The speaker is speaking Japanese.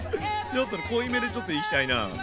ちょっと濃いめでちょっといきたいな。